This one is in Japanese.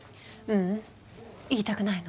ううん言いたくないの。